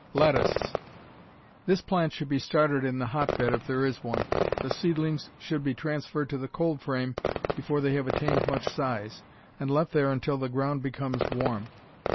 Lettuce This plant should be started in the hotbed if there is one. The seedlings should be transferred to the cold frame before they have attained much size, and left there until the ground becomes warm.